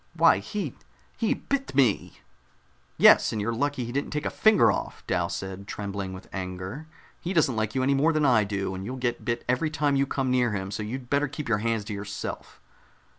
"Why, he he bit me!" "Yes, and you're lucky he didn't take a finger off," Dal said, trembling with anger. "He doesn't like you any more than I do, and you'll get bit every time you come near him, so you'd better keep your hands to yourself."